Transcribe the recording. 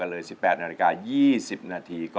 ร้องได้ให้ร้าง